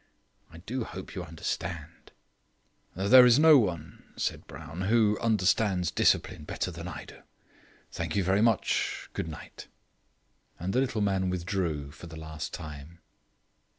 I do hope you understand " "There is no one," said Brown, "who understands discipline better than I do. Thank you very much. Good night." And the little man withdrew for the last time.